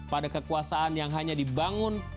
pada kekuasaan yang hanya dibangun